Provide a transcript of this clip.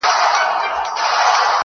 • پر بنده باندي هغه ګړی قیامت وي -